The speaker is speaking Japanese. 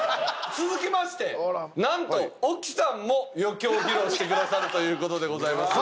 続きましてなんと沖さんも余興を披露してくださるという事でございます。